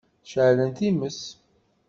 Ceɛlen times.